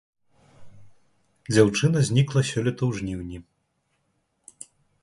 Дзяўчына знікла сёлета ў жніўні.